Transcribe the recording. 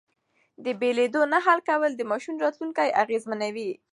د بېلېدو نه حل کول د ماشوم راتلونکی اغېزمنوي.